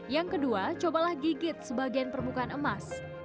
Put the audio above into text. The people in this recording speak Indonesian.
yang kedua cobalah gigit sebagian permukaan emas